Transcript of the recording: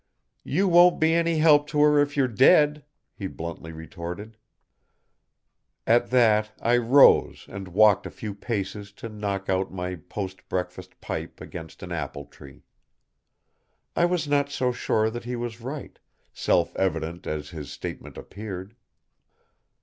"You won't be any help to her if you're dead," he bluntly retorted. At that I rose and walked a few paces to knock out my post breakfast pipe against an apple tree. I was not so sure that he was right, self evident as his statement appeared.